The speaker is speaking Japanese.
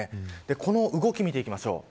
この動きを見ていきましょう。